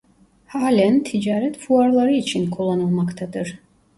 Hâlen ticaret fuarları için kullanılmaktadır.